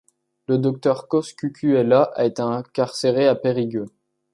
Le docteur Coscucuella a été incarcéré à Périgueux.